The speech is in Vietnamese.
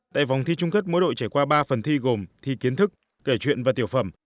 tại vòng thi trung kết mỗi đội trải qua ba phần thi gồm thi kiến thức kể chuyện và tiểu phẩm